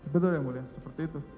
betul yang mulia seperti itu